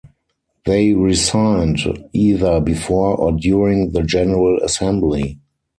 They resigned either before or during the general assembly.